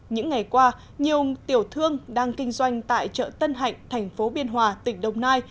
những ngày qua nhiều tiểu thương đang kinh doanh tại chợ tân hạnh thành phố biên hòa tỉnh đồng nai